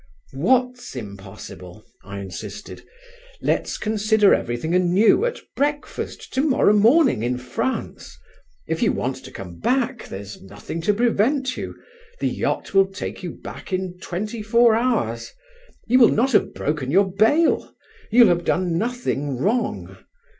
"What's impossible?" I insisted. "Let's consider everything anew at breakfast to morrow morning in France. If you want to come back, there's nothing to prevent you. The yacht will take you back in twenty four hours. You will not have broken your bail; you'll have done nothing wrong.